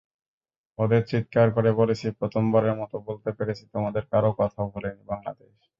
ওঁদের চিৎকার করে বলেছি, প্রথমবারের মতো বলতে পেরেছি—তোমাদের কারও কথা ভোলেনি বাংলাদেশ।